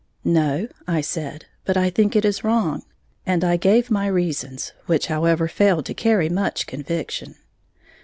"No," I said, "but I think it is wrong." And I gave my reasons, which, however, failed to carry much conviction.